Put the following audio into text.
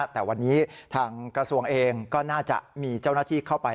แต่วันนี้ทางกระทรวงเองก็น่าจะมีเจ้าหน้าที่เข้าไป